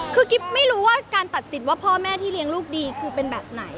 คือกิ๊บไม่รู้ว่าการตัดสินว่าพ่อแม่ที่เลี้ยงลูกดีคือเป็นแบบไหน